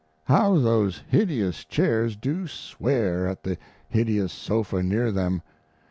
How those hideous chairs do swear at the hideous sofa near them!